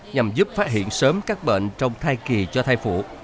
nhằm giúp phát hiện sớm các bệnh trong thai kỳ cho thai phụ